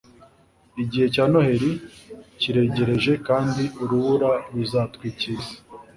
igihe cya noheri kiregereje, kandi urubura ruzatwikira isi